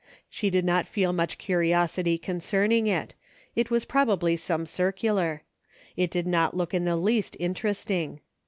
She did not feel much curiosity concerning it. It Avas probably some circular. It did not look in the least interesting.